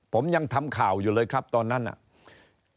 ผมยังทำข่าวอยู่เลยครับตอนนั้นน่ะ